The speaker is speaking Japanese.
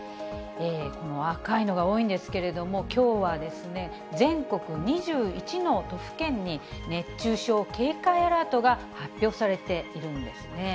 この赤いのが多いんですけれども、きょうは全国２１の都府県に、熱中症警戒アラートが発表されているんですね。